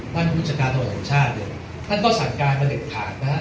ท่านวุฒิกาโทษภัณฑ์ชาติเนี้ยท่านก็สั่งการณ์มาเด็ดขาดนะครับ